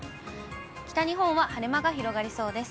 北日本は晴れ間が広がりそうです。